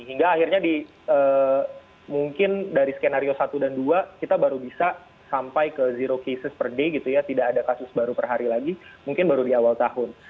hingga akhirnya di mungkin dari skenario satu dan dua kita baru bisa sampai ke zero cases per day gitu ya tidak ada kasus baru per hari lagi mungkin baru di awal tahun